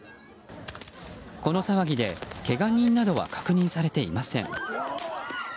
この騒ぎで、けが人などは確認されていません。